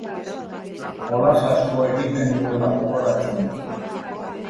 Jolas asko egiten nuela gogoratzen dut.